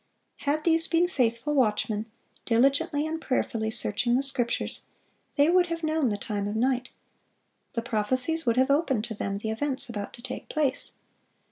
Had these been faithful watchmen, diligently and prayerfully searching the Scriptures, they would have known the time of night; the prophecies would have opened to them the events about to take place.